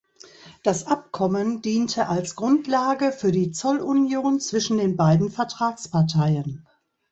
Das Abkommen diente als Grundlage für die Zollunion zwischen den beiden Vertragsparteien.